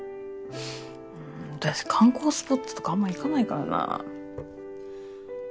私観光スポットとかあんまり行かないからな。